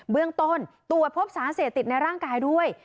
เบื้องต้นตรวจพบสารเสพติดในร่างกายด้วย